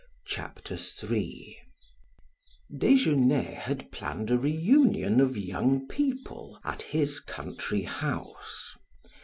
CHAPTER III DESGENAIS had planned a reunion of young people at his country house.